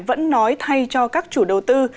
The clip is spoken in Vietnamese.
vẫn nói thay cho các chủ đầu tư